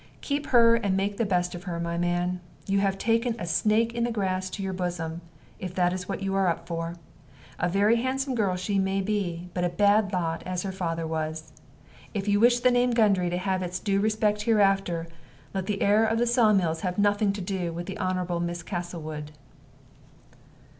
Keep her and make the best of her, my man. You have taken a snake in the grass to your bosom, if that is what you are up for. A very handsome girl she may be, but a bad lot, as her father was. If you wish the name of Gundry to have its due respect hereafter, let the heir of the sawmills have nothing to do with the Honorable Miss Castlewood."